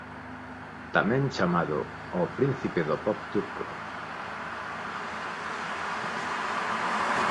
Tamén chamado "O Príncipe do pop turco".